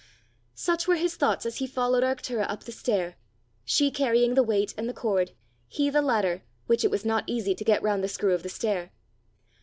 Such were his thoughts as he followed Arctura up the stair, she carrying the weight and the cord, he the ladder, which it was not easy to get round the screw of the stair.